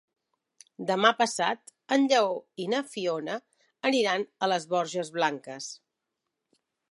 Demà passat en Lleó i na Fiona aniran a les Borges Blanques.